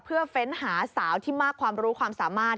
เพื่อเฟ้นหาสาวที่มากความรู้ความสามารถ